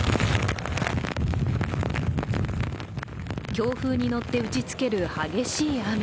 強風に乗って打ちつける激しい雨。